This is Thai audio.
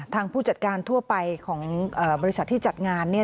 ผู้จัดการทั่วไปของบริษัทที่จัดงาน